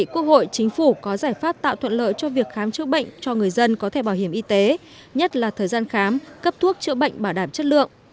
chính phủ có giải pháp tạo thuận lợi cho việc khám chữa bệnh cho người dân có thể bảo hiểm y tế nhất là thời gian khám cấp thuốc chữa bệnh bảo đảm chất lượng